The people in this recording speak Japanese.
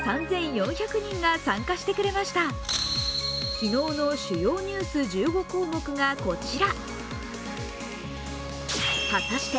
昨日の主要ニュース１５項目がこちら。